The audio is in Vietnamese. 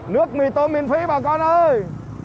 nước mì tôm miễn phí bà con ơi